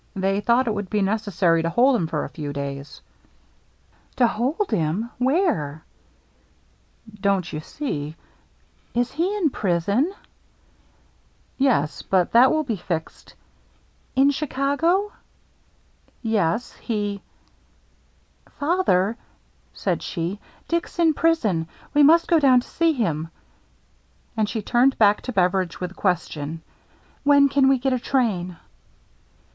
They thought it would be necessary to hold him for a few days." " To hold him, — where ?"" Don't you see —"" Is he in prison ?" "Yes, but that will be fixed —"" In Chicago ?" "Yes, he —"" Father," said she, " Dick's in prison. We must go down to see him." And she turned BEVERIDGE SURPRISES HIMSELF 409 back to Beveridge with the question, " When can we get a train